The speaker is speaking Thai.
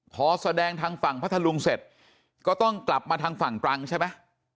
พอแสดงทางฝั่งพัทธลุงเสร็จก็ต้องกลับมาทางฝั่งตรังใช่ไหม